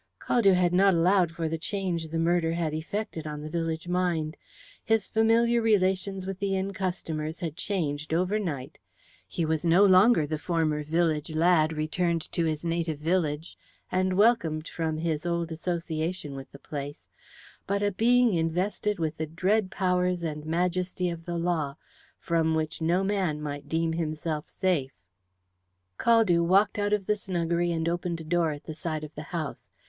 Caldew had not allowed for the change the murder had effected on the village mind. His familiar relations with the inn customers had changed overnight. He was no longer the former village lad, returned to his native village, and welcomed from his old association with the place, but a being invested with the dread powers and majesty of the law, from which no man might deem himself safe. Caldew walked out of the snuggery and opened a door at the side of the house.